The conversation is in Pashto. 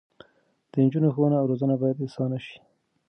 د نجونو ښوونه او روزنه باید اسانه شي.